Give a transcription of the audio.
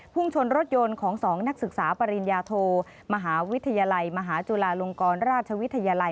ชนรถยนต์ของ๒นักศึกษาปริญญาโทมหาวิทยาลัยมหาจุฬาลงกรราชวิทยาลัย